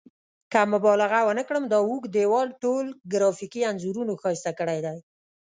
که مبالغه ونه کړم دا اوږد دیوال ټول ګرافیکي انځورونو ښایسته کړی دی.